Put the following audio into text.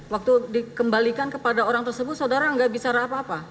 waktu dikembalikan kepada orang tersebut saudara nggak bicara apa apa